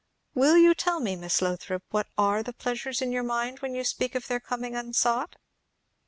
Will you tell me, Miss Lothrop, what are the pleasures in your mind when you speak of their coming unsought?"